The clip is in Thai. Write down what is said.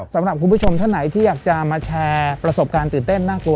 สำหรับคุณผู้ชมท่านไหนที่อยากจะมาแชร์ประสบการณ์ตื่นเต้นน่ากลัว